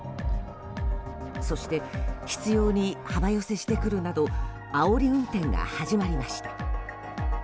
そして執拗に幅寄せしてくるなどあおり運転が始まりました。